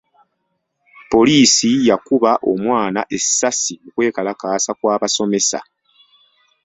Poliisi yakuba omwana essasi mu kwekalakaasa kw'abasomesa.